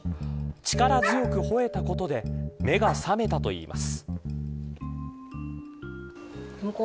力強くほえたことで目が覚めたといいます。